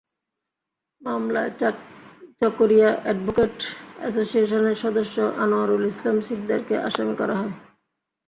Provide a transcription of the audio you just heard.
মামলায় চকরিয়া অ্যাডভোকেট অ্যাসোসিয়েশনের সদস্য আনোয়ারুল ইসলাম সিকদারকে আসামি করা হয়।